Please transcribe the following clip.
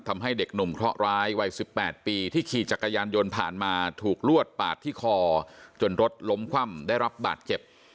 ทำให้เด็กหนุ่มเคราะหร้ายวัย๑๘ปีที่ขี่จักรยานยนต์ผ่านมาถูกลวดปาดที่คอจนรถล้มคว่ำได้รับบาดเจ็บ